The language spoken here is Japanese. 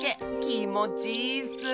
きもちいいッス！